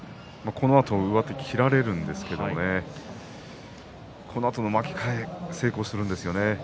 このあと上手を切られるんですけどもこのあとの巻き替え成功するんですよね。